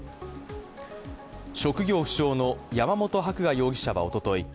職業不詳の山本伯画容疑者はおととい